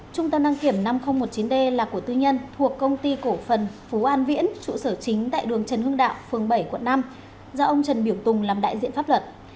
trung tâm đăng kiểm năm nghìn một mươi chín d là của tư nhân thuộc công ty cổ phần phú an viễn trụ sở chính tại đường trần hưng đạo phường bảy quận năm do ông trần biểu tùng làm đại diện pháp luật